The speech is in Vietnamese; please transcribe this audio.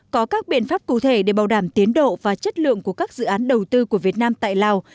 có các biện pháp cụ thể để bảo đảm tiến độ và chất lượng của các dự án đầu tư của việt nam tại lào